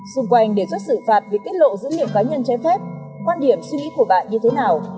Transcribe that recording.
xung quanh đề xuất xử phạt vì tiết lộ dữ liệu cá nhân trái phép quan điểm suy nghĩ của bạn như thế nào